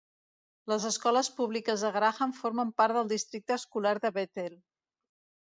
Les escoles públiques de Graham formen part del districte escolar de Bethel.